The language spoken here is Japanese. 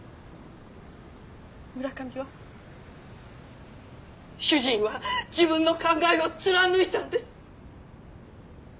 村上は主人は自分の考えを貫いたんです！